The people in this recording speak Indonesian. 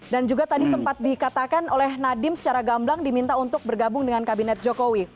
dan juga tadi sempat dikatakan oleh nadiem secara gamblang diminta untuk bergabung dengan kabinet jokowi